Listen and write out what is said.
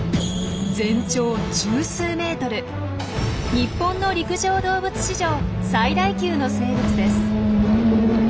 日本の陸上動物史上最大級の生物です。